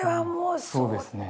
そうですね。